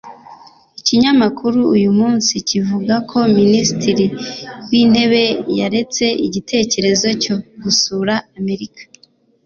Ikinyamakuru uyu munsi kivuga ko minisitiri wintebe yaretse igitekerezo cyo gusura Amerika